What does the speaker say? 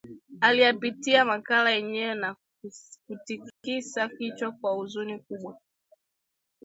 Aliyapitia makala yenyewe na kutikisa kichwa kwa huzuni kubwa